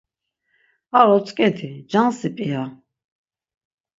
Ar otzǩedi cansi p̌ia?